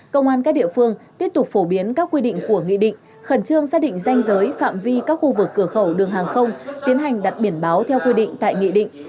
công an các địa phương tiếp tục phổ biến các quy định của nghị định khẩn trương xác định danh giới phạm vi các khu vực cửa khẩu đường hàng không tiến hành đặt biển báo theo quy định tại nghị định